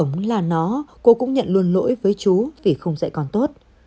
đúng là nó cô cũng nhận luôn lỗi với chú vì không dạy con tốt